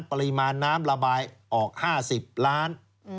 ปริมาณน้ำระบายออก๕๐ล้าน